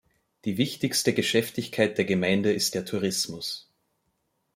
Die wichtigste Geschäftigkeit der Gemeinde ist der Tourismus.